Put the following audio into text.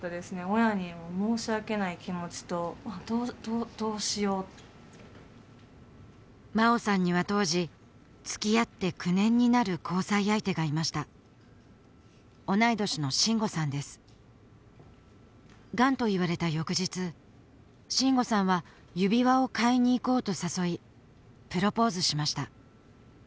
親に申し訳ない気持ちとどどどうしよう茉緒さんには当時つきあって９年になる交際相手がいました同い年の真悟さんですがんと言われた翌日真悟さんは指輪を買いに行こうと誘いプロポーズしました